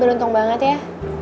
beruntung banget ya